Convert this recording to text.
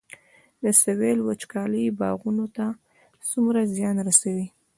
د سویل وچکالي باغونو ته څومره زیان رسوي؟